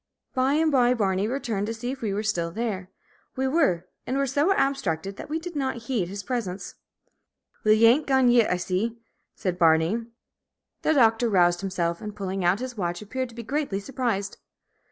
By and by Barney returned to see if we were still there. We were, and were so abstracted that we did not heed his presence. "Will, ye ain't gone yit, I see?" said Barney. The Doctor roused himself, and pulling out his watch, appeared to be greatly surprised.